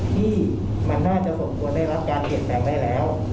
ที่มันน่าจะควรได้รับการเหตุแปลงได้แล้ว